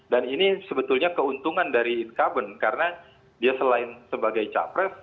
dan ini sebetulnya keuntungan dari inkaben karena dia selain sebagai capres